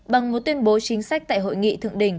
bằng một tuyên bố chính sách tại hội nghị thượng đỉnh